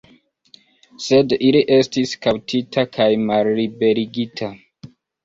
Sed li estis kaptita kaj malliberigita.